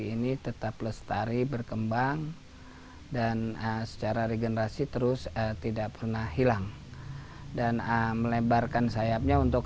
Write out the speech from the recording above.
jingkrak jingkrik yang berarti lincah sesuai gerakan si monyet